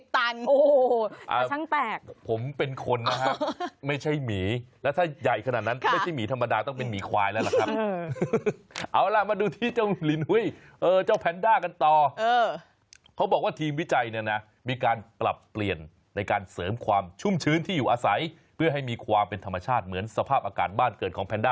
ตันโอ้โหช่างแตกผมเป็นคนนะฮะไม่ใช่หมีแล้วถ้าใหญ่ขนาดนั้นไม่ใช่หมีธรรมดาต้องเป็นหมีควายแล้วล่ะครับเอาล่ะมาดูที่เจ้าลินหุ้ยเจ้าแพนด้ากันต่อเขาบอกว่าทีมวิจัยเนี่ยนะมีการปรับเปลี่ยนในการเสริมความชุ่มชื้นที่อยู่อาศัยเพื่อให้มีความเป็นธรรมชาติเหมือนสภาพอากาศบ้านเกิดของแพนด้า